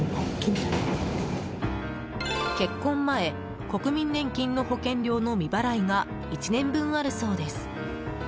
結婚前国民年金の保険料の未払いが１年分あるそうです。